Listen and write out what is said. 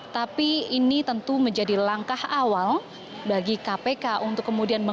tapi ini tentu menjadi langkah awal bagi kpk untuk kemudian